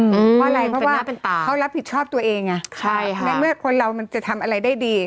เพราะอะไรเพราะว่าเขารับผิดชอบตัวเองไงใช่ค่ะในเมื่อคนเรามันจะทำอะไรได้ดี